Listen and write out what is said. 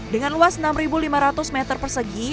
dengan luas enam lima ratus meter persegi